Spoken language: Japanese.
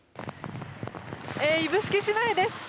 指宿市内です。